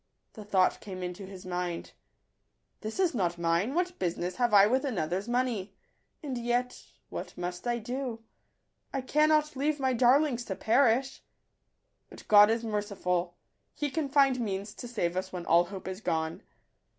The thought came into his mind, —" This is not mine : what business have I with another's money? And yet — what must I do? I cannot leave my darlings to perish! But God is merciful ; He can find means to save us when all hope is gone.